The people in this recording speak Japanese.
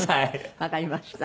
わかりました。